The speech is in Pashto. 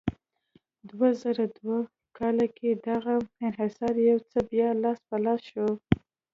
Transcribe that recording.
دوه زره دوه کال کې دغه انحصار یو ځل بیا لاس په لاس شو.